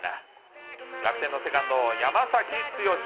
楽天のセカンド、山崎剛。